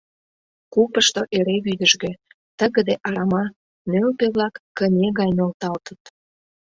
Купышто эре вӱдыжгӧ, тыгыде арама, нӧлпӧ-влак кыне гай нӧлталтыт.